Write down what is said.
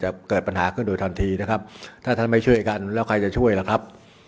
เกิดปัญหาขึ้นโดยทันทีนะครับถ้าท่านไม่ช่วยกันแล้วใครจะช่วยล่ะครับ